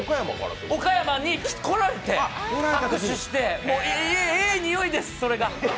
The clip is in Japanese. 岡山に来られて、握手してええにおいです、それが。